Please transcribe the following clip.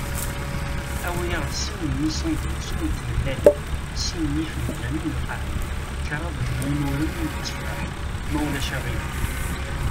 Awi-aɣ-d sin n yisandwicen n tmellalin, sin n yifenǧalen n lqehwa, kraḍ n yimuren n tteffeḥ, ma ulac aɣilif.